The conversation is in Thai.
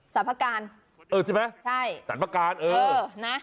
สรรพการเออใช่ไหมใช่สรรพาการเออนะ